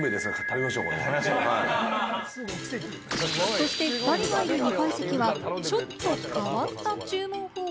そして２人がいる２階席は、ちょっと変わった注文方法。